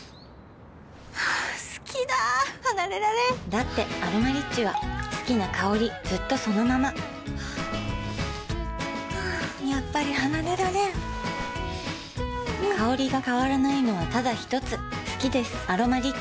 好きだ離れられんだって「アロマリッチ」は好きな香りずっとそのままやっぱり離れられん香りが変わらないのはただひとつ好きです「アロマリッチ」